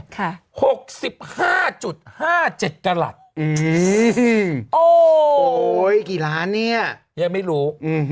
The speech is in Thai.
หกสิบห้าจุดห้าเจ็ดกลัดอืมโอ้โหกี่ล้านเนี่ยยังไม่รู้อืม